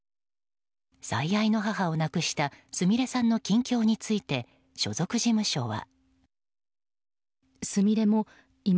最愛の母を亡くしたすみれさんの近況について所属事務所は。